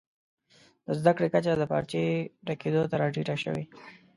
د زده کړي کچه د پارچې ډکېدو ته راټیټه سوې.